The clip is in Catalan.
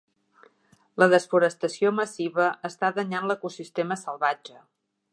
La desforestació massiva està danyant l'ecosistema salvatge.